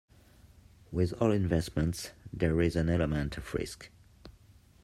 With all investments, there is an element of risk.